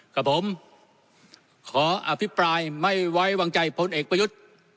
กับผมขออภิปรายไม่ไว้วางใจพลเอกประยุทธ์